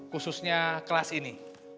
khususnya kelas ini